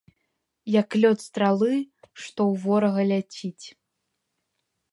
Як лёт стралы, што ў ворага ляціць.